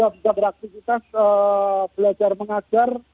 sudah beraktivitas belajar mengajar